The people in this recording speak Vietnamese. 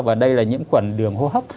và đây là nhiễm khuẩn đường hô hấp